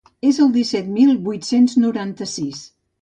És el disset mil vuit-cents noranta-sis.